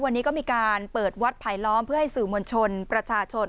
วันนี้ก็มีการเปิดวัดไผลล้อมเพื่อให้สื่อมวลชนประชาชน